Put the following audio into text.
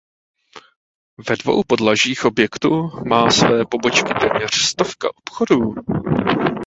Ve dvou podlažích objektu má své pobočky téměř stovka obchodů.